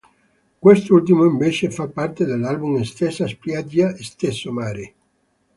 Quest'ultimo invece fa parte dell'album "Stessa spiaggia, stesso mare".